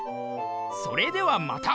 それではまた。